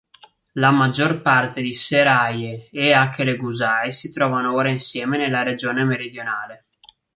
La maggior parte di Seraye e Akeleguzay si trovano ora insieme nella regione meridionale.